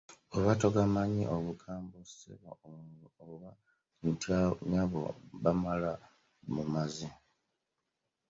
Bw’oba togamanyi obugambo Ssebo oba Nnyabo bumala bumazi.